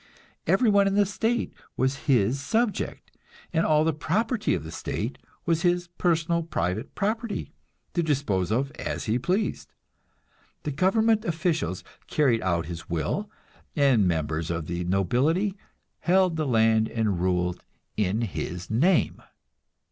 Everyone in the state was his subject, and all the property of the state was his personal, private property, to dispose of as he pleased. The government officials carried out his will, and members of the nobility held the land and ruled in his name.